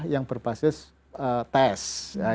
yang berbasis tes